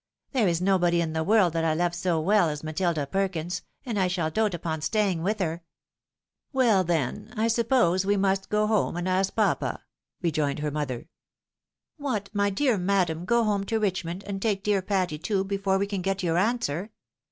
" There is nobody in the world that I love so well as Matilda Perkins, and I shall dote upon staying with her." ," Well, then, I suppose we must go home and ask papa," rejoined her mother. " What, my dear madam, go home to Richmond, and take dear Patty too, before we can get your answer